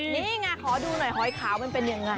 นี่ไงขอดูหน่อยหอยขาวมันเป็นยังไง